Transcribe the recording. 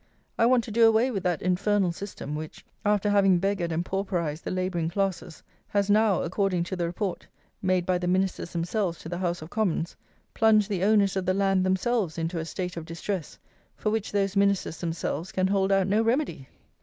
I want to do away with that infernal system, which, after having beggared and pauperized the Labouring Classes, has now, according to the Report, made by the Ministers themselves to the House of Commons, plunged the owners of the land themselves into a state of distress, for which those Ministers themselves can hold out no remedy!